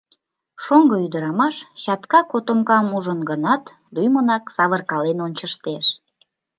Шоҥго ӱдырамаш чатка котомкам ужын гынат, лӱмынак савыркален ончыштеш.